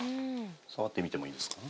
触ってみてもいいですか？